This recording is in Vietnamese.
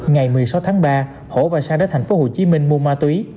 ngày một mươi sáu tháng ba hữu và sang đến tp hcm mua ma túy